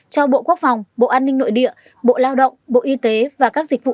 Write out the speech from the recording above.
cho bộ quốc phòng bộ an ninh nội địa bộ lao động bộ y tế và các dịch vụ